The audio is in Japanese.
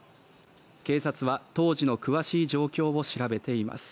警察は当時の詳しい状況を調べています